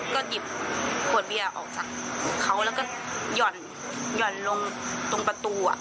ก็หยิบขวดเบียร์ออกจากเขาแล้วก็หย่อนลงตรงประตู